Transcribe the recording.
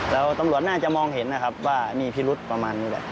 แล้วตำรวจน่าจะมองเห็นนะครับว่ามีพิรุธประมาณนี้แหละ